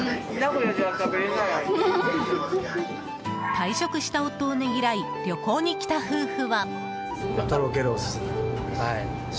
退職した夫をねぎらい旅行に来た夫婦は。